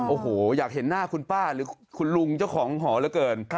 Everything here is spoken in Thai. โอ้โหอยากเห็นหน้าคุณป้าหรือคุณลุงเจ้าของหอเหลือเกิน